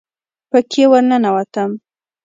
پکښې ورننوتم.